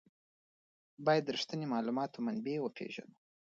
باید د رښتیني معلوماتو منبع وپېژنو.